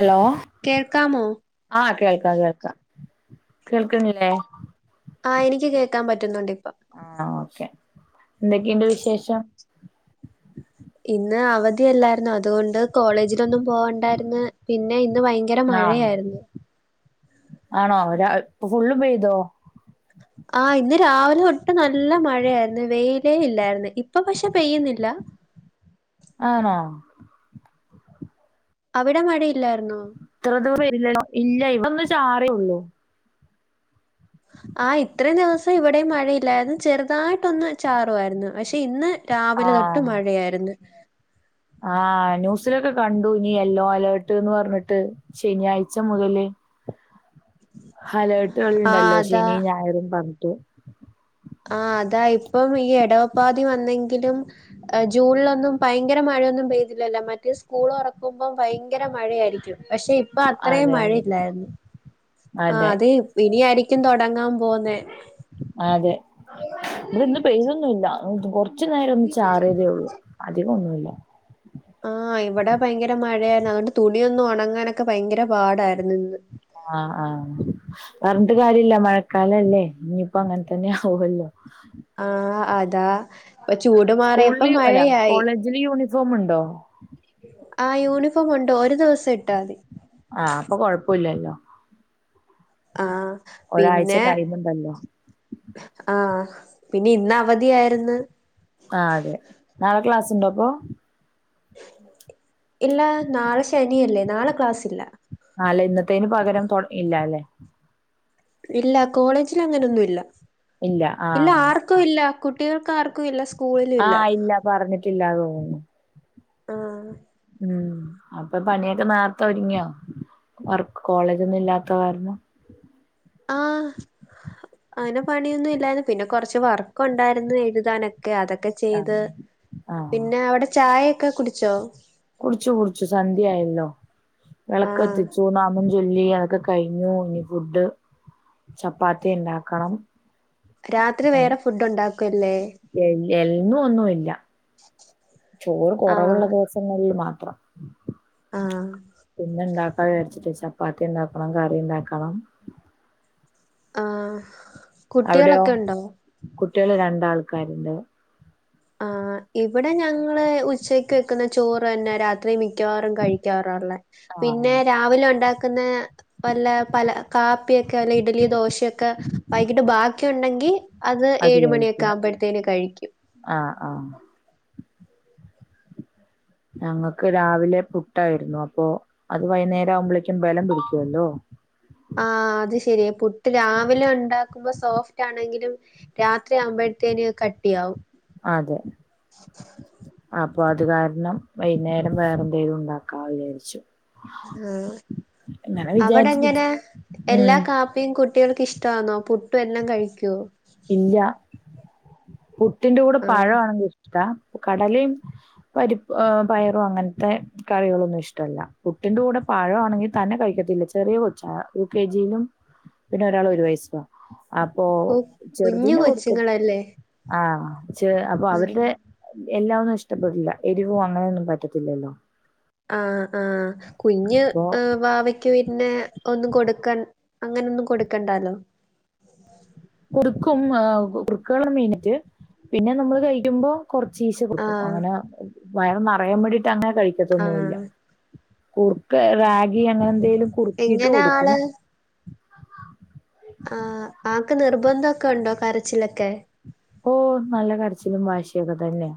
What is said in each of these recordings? Hello കേൾക്കാമോ ആഹ് കേൾക്കാം കേൾക്കാം കേൾക്കുന്നില്ലേ ആഹ് എനിക്ക് കേക്കാൻ പറ്റുന്നുണ്ട് ഇപ്പം ആഹ് ഓക്കെ എന്തൊക്കെയു ണ്ട് വിശേഷം ഇന്ന് അവധിയല്ലായിരുന്നോ അതുകൊണ്ട് കോളേജിലൊന്നും പോകണ്ടായിരുന്നു പിന്നെ ഇന്ന് വൈ ആഹ് ആണോ ഇപ്പ ഫുള്ളും പെയ്തോ ആഹ് ഇന്ന് രാവിലെ തൊട്ടും നല്ല മഴയായിരുന്നു വെയിലേ ഇല്ലായിരുന്നു ഇപ്പൊ പക്ഷെ പെയ്യുന്നില്ല ആണോ അവിടെ മഴ യില്ലായിരുന്നോ ഇത്ര ദൂരം വരില്ലോ ഇല്ല ഇപ്പോ ഒന്ന് ചെറിയേ ഉള്ളൂ ആ ഇത്രയും ദിവസം ഇവിടെയും മഴയില്ലായിരുന്നു ചെറുതായിട്ടൊന്ന് ചാറുവാ യിരുന്നു പക്ഷെ ഇന്ന് രാവിലെ തൊട്ട് ആഹ് മഴയായിരുന്നു ആഹ് ന്യൂസിലൊക്കെ കണ്ടു ഇനി യെല്ലോ അലേർട്ട് എന്ന് പറഞ്ഞിട്ട് ശനിയാഴ്ച മുതല് ആഹ് ഹലേർട്ടുകളുണ്ടല്ലോ അതാ ശനി ഞായരും പറഞ്ഞിട്ട് ആഹ് അതാ ഇപ്പം ഈ ഇടവപ്പാതി വന്നെങ്കിലും ജൂണിലൊന്നും ഭയങ്കര മഴയൊന്നും പെയ്തില്ലല്ലോ മറ്റേ സ്കൂൾ തു റക്കുമ്പോം ഭയങ്കര മഴയായിരിക്കും പക്ഷെ ഇപ്പൊ അതെ അത്രയും അതെ മഴയില്ലായിരുന്നു ആ അതെ അത് ഇനി ആയിരിക്കും തുട ങ്ങാൻ പോവുന്നെ അതെ ഇന്ന് പെയ്തൊന്നും ഇല്ല കൊറച്ചു നേരം ഒന്ന് ചാറിയതേ ഉള്ളൂ അധികൊന്നുമില്ല ആഹ് ഇവിടെ ഭയങ്കര മഴയായിരുന്നു അതുകൊണ്ട് തുണിയൊന്നും ഉണങ്ങാനൊക്കെ ഭയങ്കര പാടായിരുന്നു ഇന്ന് ആഹ് ആഹ് പറഞ്ഞിട്ട് കാര്യല്ല മഴക്കാലല്ലേ ഇനിയിപ്പോ അങ്ങനെ തന്നെ ആവല്ലോ ആഹ് അതാ പ്പൊ ചൂട് മാറിയപ്പോ സ്കൂളില് അല്ല മഴയായി കോളേജില് യൂണിഫോം ഉണ്ടോ ആ യൂണിഫോം ഉണ്ട് ഒരു ദിവസം ഇട്ടാ മതി ആഹ് അപ്പൊ കൊഴപ്പോ ഇല്ലല്ലോ ആഹ് ഒരാഴ്ച പിന്നെ ടൈം ഉണ്ടല്ലോ ആഹ് പിന്നെ ഇന്ന് അവധിയായിരുന്നു ആഹ് അതെ നാളെ ക്ലാസുണ്ടോ അപ്പൊ ഇല്ല നാളെ ശനിയല്ലേ നാളെ ക്ലാസ്സില്ല ആല്ല ഇന്നത്തേന് പകരം ഇല്ല അല്ലേ ഇല്ല കോളേജിൽ അങ്ങനെയൊന്നുമില്ല ഇല്ല ആഹ് ഓക്കെ ആർക്കും ഇല്ല കുട്ടികൾക്ക് ആർക്കും ഇല്ല സ് ആഹ് ഇല്ല പറഞ്ഞിട്ടില്ല തോന്നുന്നു ആഹ് ഉം അപ്പൊ പണിയൊക്കെ നാർത്ത ഒരുങ്ങിയോ വർക്ക് കോളേജ് ഒന്നും ഇല്ലാത കാരണം ആഹ് അങ്ങനെ പണിയൊന്നും ഇല്ലായിന്ന് പിന്നെ കൊറച്ച് വർക്ക് ഉണ്ടായിരുന്നു എഴുതാനൊക്കെ അതൊക്കെ ആഹ് ചെയ്ത് ആഹ് പിന്നെ അവിടെ ചായയൊക്കെ കുടിച്ചോ കുടിച്ചു കുടിച്ചു സന്ധ്യയായല്ലോ വിളക്ക് ആഹ് കത്തിച്ചൂ ന മം ചൊല്ലി അതൊക്കെ കഴിഞ്ഞു ഇനി ഫുഡ് ചപ്പാത്തി ഉണ്ടാക്കണം രാത്രി വേറെ ഫുഡ് ഉണ്ടാക്കുംല്ലേ എ എന്നും ഒന്നുല്ല ചോറ് കൊറവുള്ള ആഹ് ദിവസങ്ങളിൽ മാത്രം ആഹ് പിന്നെ ഇണ്ടാക്കാ വിചാരിച്ചിട്ട് ചപ്പാത്തിണ്ടാക്കണം കറിണ്ടാക്കണം ആഹ് അവിടെയോ? കുട്ടികളൊക്കെ ഉണ്ടോ കുട്ടികൾ രണ്ടാൾക്കാരുണ്ട് ആഹ് ഇവിടെ ഞങ്ങള് ഉച്ചക്ക് വെക്കുന്ന ചോറ് തന്നെ രാത്രി മിക്കവാറും കഴിക്കാറള്ളേ പിന്നെ ആഹ് രാവിലെ ഉണ്ടാക്കുന്ന വല്ല പല കാപ്പിയൊക്കെ അല്ല ഇഡലി ദോശയൊക്കെ വൈകിട്ട് ബാക്കിണ്ടെങ്കി അത് ഏഴ് മണിയൊക്കെ ആകുമ്പോഴഎടുത്തേന് കഴിക്കും. ആഹ് ആഹ് ഞങ്ങൾക്ക് രാവിലെ പുട്ടായിരുന്നു അപ്പൊ അത് വൈന്നേരം ആവുമ്പോളെക്കും ബലം പിടിക്കുല്ലോ ആഹ് അത് ശരിയ പുട്ട് രാവിലെ ഉണ്ടാക്കുമ്പോ സോഫ്റ്റ് ആണെങ്കിലും രാത്രി ആകുമ്പഴത്തേന് അത് കട്ടിയാവും അതെ അപ്പൊ അത് കാരണം വൈന്നേരം വേറെ എന്തെങ്കിലും ഉണ്ടാക്കാ വിചാരിച്ചു ആഹ് അങ്ങനെ വിചാരിച്ചിട്ട് അവടെങ്ങനെ എല്ലാ ഉം കാപ് പ്പീ കുട്ടികൾക്ക് ഇഷ്ടാന്നോ പുട്ടും എല്ലം കഴിക്കോ ഇല്ല പുട്ടിന്റെ കൂടെ പഴ ആഹ് ആണെങ്കി ഇഷ്ടാ കടലിം പരിപ്പ് പയറും അങ്ങനത്തെ കറികളൊന്നും ഇഷ്ടമല്ല പുട്ടിന്റെ കൂടെ പഴ ആണെങ്കിൽ തന്നെ കഴിക്കത്തില്ല ചെറിയ കൊച്ചാണ് യു കെ ജിയിലും പിന്നെ ഒരാൾ ഒരു വയസാ അപ്പൊ ഓ കുഞ്ഞു ചെറുതിന് കൊടുക്ക കൊച്ചുങ്ങളല്ലേ ആഹ് ച്ച് അപ്പൊ ആഹ് അവരുടെ എല്ലാം ഒന്നും ഇഷ്ടപ്പെടില്ല എരിവും അങ്ങനൊന്നും പറ്റത്തില്ലല്ലോ. ആഹ് ആഹ് കുഞ്ഞ് അപ്പൊ ഏഹ് വാവ ക്ക് പിന്നെ ഒന്നും കൊടുക്കൻ അങ്ങനെ ഒന്നും കൊടുക്കണ്ടല്ലോ കൊടുക്കും ആഹ് കുറുക്കുള്ള മീനിറ്റ് പിന്നെ നമ്മൾ കഴിക്കുമ്പോ കൊറച്ചീശെ കൊടുക്കും ആഹ് അങ്ങനെ വയറ് നിറയാൻ വേണ്ടീട്ട് അങ്ങനെ കഴിക്കത്തൊന്നുല്ല ആഹ് കുറുക്ക റാഗി അങ്ങനെ എന്തെലും കുറുക്കിട്ട് എങ്ങനെ കൊടുക്കും ആള് ആഹ് ആക്ക് നിർബന്ധോക്കെ ഉണ്ടോ കരച്ചിലൊക്കെ ഓഹ് നല്ല കരച്ചിലും വാശിയൊക്കെ തന്നെയ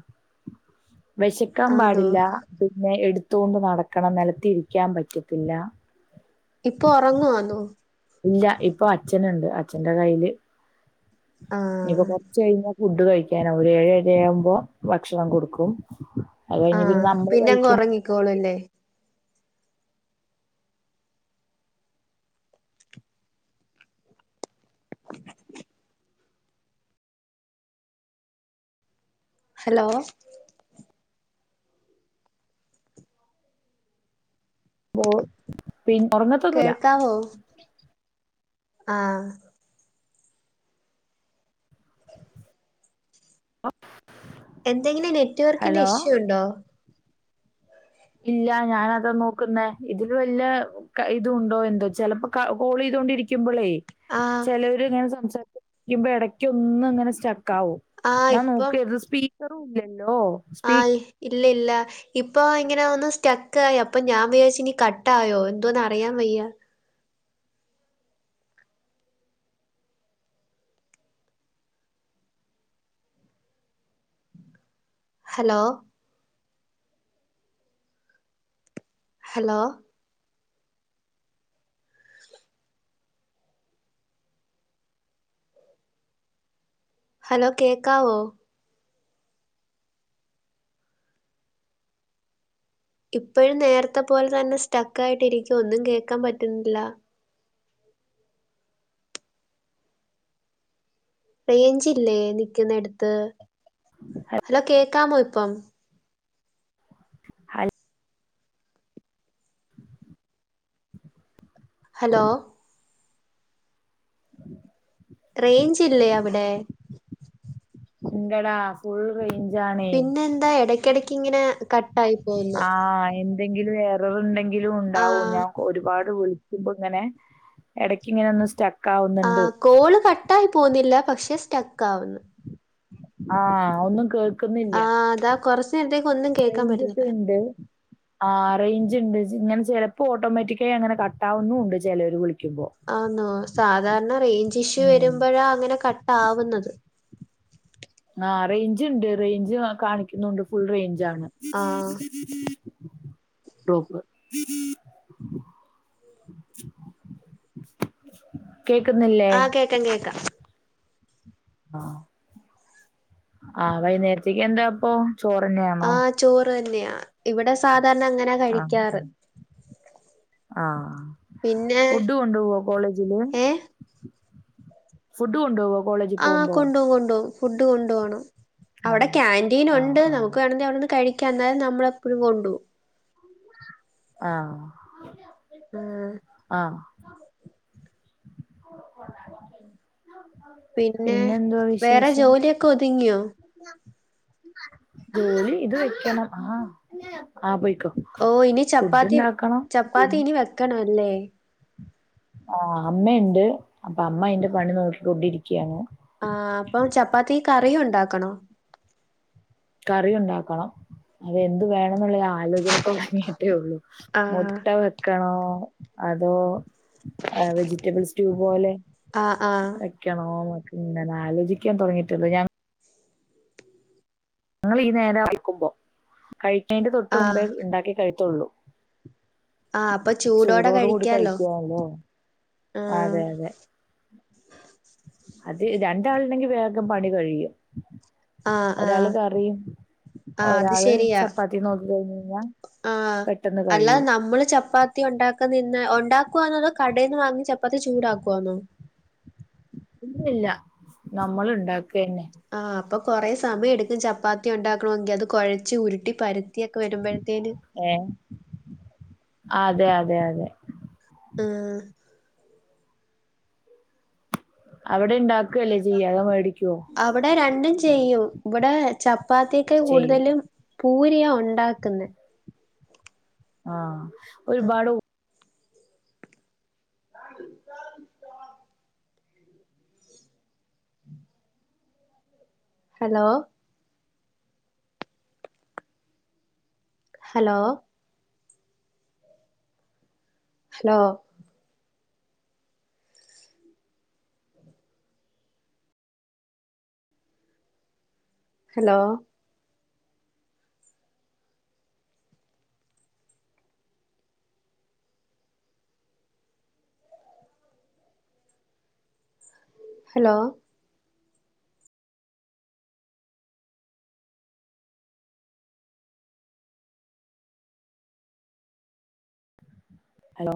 വെശക്കാൻ ആന്നോ പാടില്ല പിന്നെ എടുത്തൊണ്ട് നടക്കണം നെലത്ത് ഇരിക്കാൻ പറ്റത്തില്ല ഇപ്പൊ ഉറങ്ങുവാന്നോ ഇല്ല ഇപ്പൊ അച്ഛന്ണ്ട് അച്ഛന്റെ കയ്യില് ആഹ് ഇനിപ്പൊ കൊറച്ച് കഴിഞ്ഞ ഫുഡ് കഴിക്കാനാവും ഒരു ഏഴ് ഏഴരയാകുമ്പോ ഭക്ഷണം കൊടുക്കും അത് കഴിഞ് പിന്നെ നമ്മള് കഴിക്കും റങ്ങിക്കോളു അല്ലേ ഹലോ പോഹ് [unintelligible] കേക്കാവോ ആഹ് ഓഹ് എന്തെങ്കിലും നെറ്റ്‌വർക്കിന്റെ ഇഷ്യൂ ഉണ്ടോ ഇല്ല ഞാനതാ നോക്കുന്നേ ഇതില് വല്ല ക്ക ഇതൂണ്ടോ എന്തോ ചെലപ്പോ ക കോളയ്തോണ്ടിരിക്കുമ്പോളേ ആഹ് ചെലവര് ഇങ്ങനെ സംസരിക്കുമ്പോ എടക്ക് ഒന്ന് ഇങ്ങനെ സ്റ്റക്കാവും. ആഹ് ഞാൻ ഇപ്പം നോക്കിയത് സ്പീക്കറുല്ലല്ലോ ആഹ് ഇല്ല ഇല്ല ഇപ്പൊ ഇങ്ങനെ ഒന്ന് സ്റ്റക്കായി അപ്പൊ ഞാൻ വിചാരിച്ച് ഇനി കട്ടായോ എന്തോന്ന് അറിയാൻ വയ്യ ഹലോ ഹലോ ഹലോ കേക്കാവോ ഇപ്പഴും നേരത്ത പോലെ തന്നെ സ്റ്റക്കായിട്ടിരിക്കുവ ഒന്നും കേക്കാൻ പറ്റുന്നില്ല റെയ്ഞ്ചില്ലേ നിക്കുന്നെടുത്ത് ഹലോ കേക്കാമോ ഇപ്പം ഹൽ ഹലോ റെയ്ഞ്ചില്ലേ അവിടെ ഉങ്കടാ ഫുൾ റെയിഞ്ചാണേ പിന്നെന്താ എടയ്ക്കെടക്കിങ്ങനേ കട്ട് ആഹ് എന്തെങ്കിലും എററുണ്ടെങ്കിലും ഉണ്ടാവൂ ആഹ് ഞാ ഒരുപാട് വിളിക്കുമ്പോങ്ങനെ എടക്കിങ്ങനൊന്ന് സ്റ്റ ആഹ് കോള് കട്ടായി പോന്നില്ല പക്ഷെ സ്റ്റക്കാവുന്നു ആഹ് ഒന്നും കേൾ ആഹ് അതാ കുറച്ചു നേരത്തേക്കൊന്നും കേക്കാൻ പറ്റുന്നില്ല ദ് ആഹ് റെയിഞ്ചുണ്ട് ഇങ്ങനെ ചെലപ്പോ ഓട്ടോമാറ്റിക്കായി അങ്ങനെ കട്ടാവുന്നുവുണ്ട് ചിലര് വിളിക്കുമ്പോ ആന്നോ സാധാരണ റെയ്ഞ്ചിഷ്യു ഉം വെരുമ്പഴാ അങ്ങനെ കട്ടാവുന്നത് ആഹ് റെയ്ഞ്ചിണ്ട് റെയ്ഞ്ച് കാണിക്കുന്നുണ്ട് ഫുൾ റെയിഞ്ചാണ് ആഹ് ട്രോപ്പ് [unintelligible] കേക്കുന്നില്ലേ ആഹ് കേക്കാം കേക്കാം ആഹ്ഹാ ആഹ് വൈയ്ന്നേരത്തേക്കെന്താപ്പോ ചോറന്നെയാണോ ആഹ് ചോറ് തന്നെയാ ഇവിടെ സാധാരണ അങ്ങനാ ആഹ് കഴിക്കാറ് ആഹ് പിന്നെ ഫുഡ് കൊണ്ടോവോ കോളേജില് ഏഹ് ഫുഡ് കൊണ്ടോവോ കോളേജി ആഹ് പോവുമ്പോ കൊണ്ടോം കൊണ്ടോവും ഫുഡ് കൊണ്ടു പോണം അവിടെ ആഹ് ആഹ് കാന്റീനൊണ്ട് നമുക്ക് ആഹ് വേണങ്കി അവിടിരുന്ന് കഴിക്കാം എന്നാലും നമ്മള് എപ്പോഴും കൊണ്ടോവും ആഹ് ആഹ് ആഹ് [unintelligible] പിന്നേ പിന്നെന്തുവാ വേറെ വിശേഷം ജോലിയെക്കൊതുങ്ങിയോ ജോലി ഇത് വയ്ക്കണം ഹാ ആഹ് പൊയ്ക്കോ ഓ ഇനി ചപ്പാത്തി ചപ്പാത്തി ഇനി വെക്കണവല്ലേ ആഹ് അമ്മയുണ്ട് അപ്പ അമ്മ അയിന്റെ പണി നോക്കിക്കൊണ്ടിരിക്കയാണ് ആഹ് അപ്പം ചപ്പാത്തി കറിയും ഒണ്ടാക്കണോ കറിയുണ്ടാക്കണം അതെന്തു വേണെന്നുള്ളയാലോ ഇവ്ടെ തൊടങ്ങീഹ്ട്ടേള്ളൂ ആഹ് മുട്ട വെക്കണോ അതോ ആഹ് വെജിറ്റബിൾ സ്റ്റൂ പോലെ ആഹ് ആഹ് ക്കണോന്നെക്കെങ്ങനാലോചിക്കാൻ തൊടങ്ങീട്ടേള്ളു ഞാൻ ഞങ്ങള് ഈ നേരവാ കഴിക്കുമ്പോ കഴിക്കണേന്റെ തൊട്ട് ആഹ് മുമ്പേ ഉണ്ടാക്കി കഴിക്കൂള്ളൂ ആഹ് അപ്പൊ ചൂടോടെ ചൂടോട് കൂടി കഴിക്കാലോ കഴിക്കാണോ, ആഹ് അതെ അതെ. അത് രണ്ടാളുണ്ടെങ്കി വേഗം പണി കഴിയും ആഹ് ആഹ് ഉം ആഹ് അത് ഒരാള് ശരിയാ ചപ്പാത്തി നോക്കി കഴിഞ്ഞ് കഴിഞ്ഞാ ആഹ് പെട്ടെന്ന് അല്ലാതെ കഴിയും നമ്മള് ചപ്പാത്തി ഉണ്ടാക്കുന്ന നിന്ന് ഉണ്ടാക്കുവാണോ അതോ കടേന്ന് വാങ്ങി ചപ്പാത്തി ചൂടാക്കുവാണോ ഇല്ലില്ല നമ്മൾ ഉണ്ടാക്കുക തന്നെ. ആഹ് അപ്പൊ കൊറേ സമയം എടുക്കും ചപ്പാത്തി ഉണ്ടാക്കണോങ്കിൽ അത് കൊഴച്ച് ഉരുട്ടി പരുത്തി ഒക്കെ വരുമ്പോഴത്തേനും ഏ അതെ അതെ അതെ ഉം അവിടെ ഉണ്ടോ? അവിടെ രണ്ടും ചെയ്യും ഇവിടെ ചപ്പാത്തിയേക്കാൾ ചെയ്യും കൂടുതലും പൂരിയ ഒണ്ടാക്ക്ന്നേ. ആ ഒരുപാട് ഉ [unintelligible] hello hello hello hello hello hello